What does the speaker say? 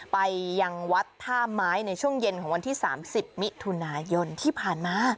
ไปยังวัดท่าไม้ในช่วงเย็นของวันที่๓๐มิถุนายนที่ผ่านมา